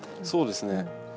そうですね。